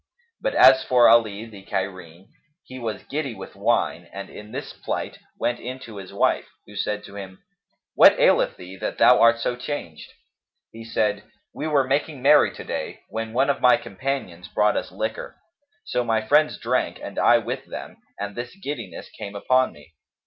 But as for Ali, the Cairene, he was giddy with wine and in this plight went in to his wife, who said to him, "What aileth thee that thou art so changed?" He said, "We were making merry to day, when one of my companions brought us liquor; so my friends drank and I with them, and this giddiness came upon me."